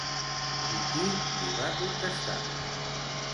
I qui li va contestar?